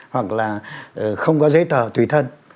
hoặc là không có giấy tờ tùy thân